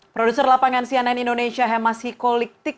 produser lapangan cnn indonesia hemas hikoliktik